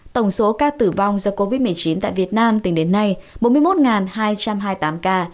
tổng số ca tử vong do covid một mươi chín tại việt nam tính đến nay bốn mươi một hai trăm hai mươi tám ca